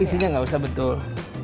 isinya enggak usah betul